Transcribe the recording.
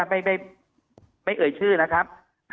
ไม่เอ่ยชื่อนะครับ